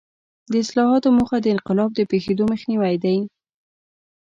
د اصلاحاتو موخه د انقلاب د پېښېدو مخنیوی دی.